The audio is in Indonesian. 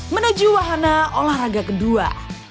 menuju wahana olahraga kedua